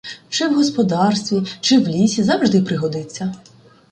Чи в господарстві, чи в лісі завжди пригодиться.